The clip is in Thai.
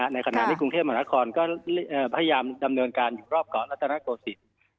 ในขณะที่กรุงเทพมหานครก็พยายามดำเนินการอยู่รอบเกาะรัฐนาโกศิลป์